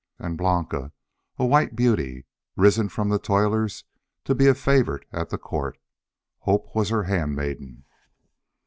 And Blanca, a white beauty, risen from the toilers to be a favorite at the Court. Hope was her handmaiden.